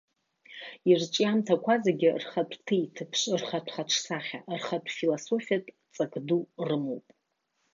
Ирҿиамҭақәа зегьы рхатә ҭеиҭыԥш, рхатә хаҿсахьа, рхатә философиатә ҵак ду рымоуп.